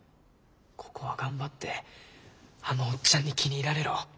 ここは頑張ってあのオッチャンに気に入られろ。